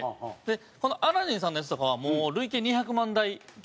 このアラジンさんのやつとかはもう、累計２００万台突破して。